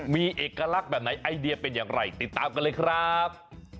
มีเอกลักษณ์แบบไหนไอเดียเป็นอย่างไรติดตามกันเลยครับ